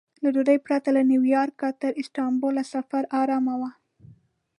له ډوډۍ پرته له نیویارکه تر استانبوله سفر ارامه و.